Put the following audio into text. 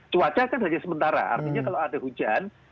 cuaca kan hanya sementara artinya kalau ada hujan